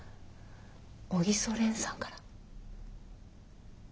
小木曽蓮さんから。